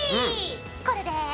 これで。